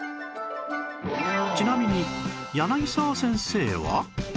ちなみに柳沢先生は